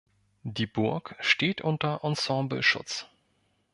Die Burg steht unter Ensembleschutz.